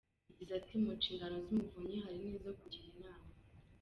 Yagize ati “ mu nshingano z’umuvunyi hari n’izo kugira inama.